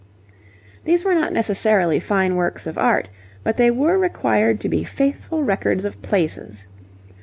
These were not necessarily fine works of art, but they were required to be faithful records of places.